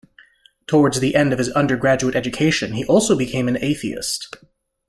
Towards the end of his undergraduate education, he also became an atheist.